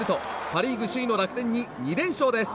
パ・リーグ首位の楽天に２連勝です。